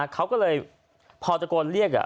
เขาก็เลยพอตะโกนเรียก